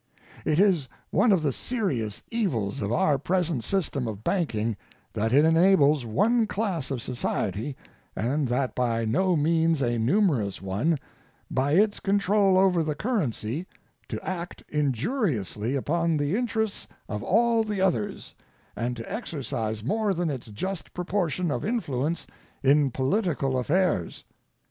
It is one of the serious evils of our present system of banking that it enables one class of society and that by no means a numerous one by its control over the currency, to act injuriously upon the interests of all the others and to exercise more than its just proportion of influence in political affairs.